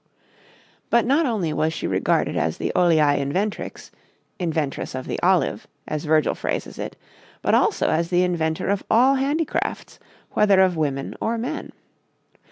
But not only was she regarded as the oleæ inventrix inventress of the olive as Virgil phrases it, but also as the inventor of all handicrafts, whether of women or men.